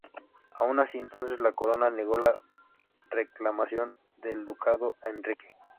Aun así, entonces la corona negó la reclamación del Ducado a Enrique.